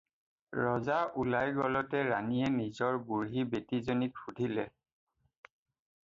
ৰজা ওলাই গ'লতে ৰাণীয়ে নিজৰ বুঢ়ী বেটীজনীক সুধিলে।